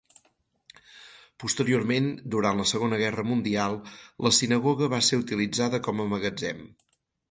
Posteriorment, durant la Segona Guerra Mundial, la sinagoga va ser utilitzada com a magatzem.